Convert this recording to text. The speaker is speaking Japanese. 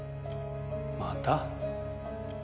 また？